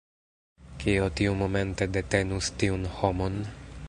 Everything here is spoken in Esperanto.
Kio tiumomente detenus tiun homon?